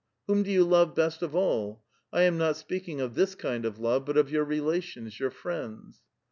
Whom do you love best of all ? I am not speaking of this kind of love — but of vour relations, vonr friends."